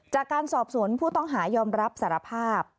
จากการสอบสวนผู้ต้องหายอมรับสารภาพ